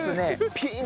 ピン